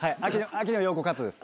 秋野暢子カットです。